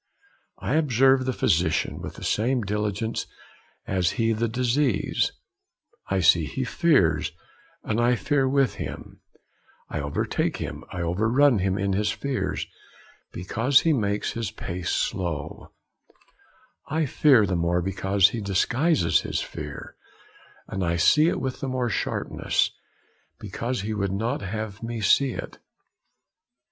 'I observe the physician with the same diligence as he the disease; I see he fears, and I fear with him; I overtake him, I over run him in his fear, because he makes his pace slow; I fear the more because he disguises his fear, and I see it with the more sharpness because he would not have me see it.'